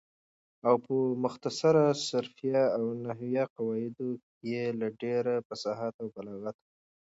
او په مختصر صرفیه او نحویه قواعدو یې له ډېره فصاحته او بلاغته